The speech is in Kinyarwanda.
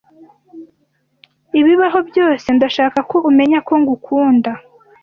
Ibibaho byose, ndashaka ko umenya ko ngukunda.